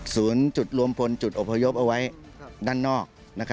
ศูนย์จุดรวมพลจุดอพยพเอาไว้ด้านนอก